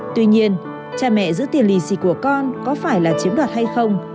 tuy nhiên cha mẹ giữ tiền lì xì của con có phải là chiếm đoạt hay không